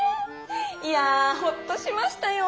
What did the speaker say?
いやホッとしましたよォ。